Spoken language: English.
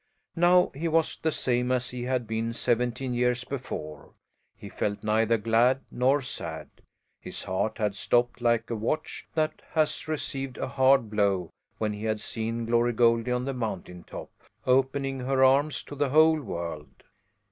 Now he was the same as he had been seventeen years before; he felt neither glad nor sad. His heart had stopped like a watch that has received a hard blow when he had seen Glory Goldie on the mountain top, opening her arms to the whole world.